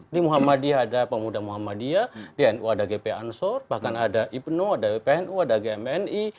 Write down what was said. di muhammadiyah ada pemuda muhammadiyah di nu ada gp ansor bahkan ada ibnu ada ppnu ada gmni